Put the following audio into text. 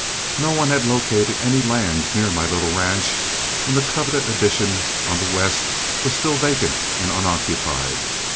No one had located any lands near my little ranch, and the coveted addition on the west was still vacant and unoccupied.